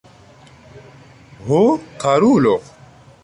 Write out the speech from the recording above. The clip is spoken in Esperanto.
Ho, karulo!